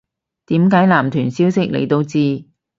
點解男團消息你都知